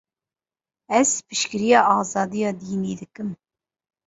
Ez piştgiriya azadiya dînî dikim.